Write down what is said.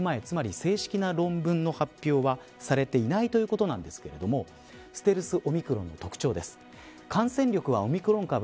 つまり正式な論文の発表はされていないということなんですけれどもステルスオミクロンの特徴です。